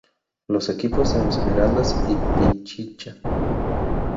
Los equipos de Esmeraldas y Pichincha.